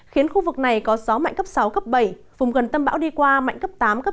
khiến khu vực này có gió mạnh cấp sáu cấp bảy vùng gần tâm bão đi qua mạnh cấp tám cấp năm